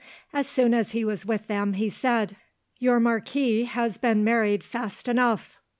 As soon as he was with them he said: "Your marquis has been married fast enough."